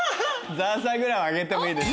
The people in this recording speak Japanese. ザーサイぐらいはあげてもいいです。